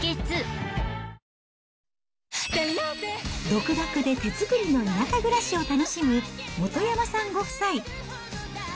独学で手作りの田舎暮らしを楽しむ、本山さんご夫妻。